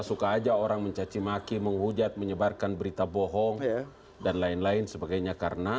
suka aja orang mencacimaki menghujat menyebarkan berita bohong dan lain lain sebagainya karena